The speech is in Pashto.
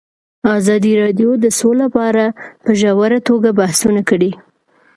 ازادي راډیو د سوله په اړه په ژوره توګه بحثونه کړي.